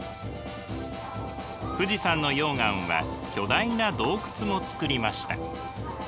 富士山の溶岩は巨大な洞窟もつくりました。